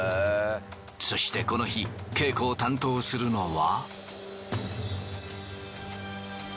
そしてこの日稽古を担当するのは。